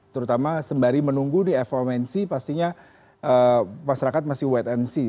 terutama sembari menunggu di fomc pastinya masyarakat masih wait and see